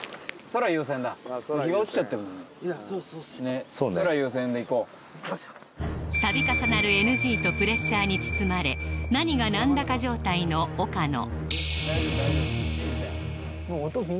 空優先でいこう度重なるＮＧとプレッシャーに包まれ何が何だか状態の岡野・